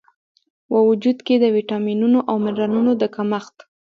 و وجود کې د ویټامینونو او منرالونو د کمښت